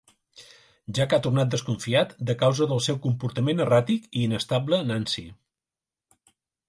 Jack ha tornat desconfiat de causa del seu comportament erràtic i inestable Nancy.